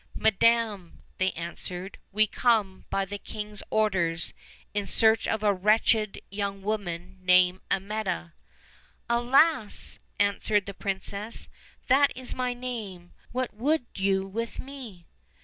"Madam," they answered, "we come, by the king's orders, in search of a wretched young woman named Amietta." "Alas!" answered the princess, "that is my name; what would you with me?"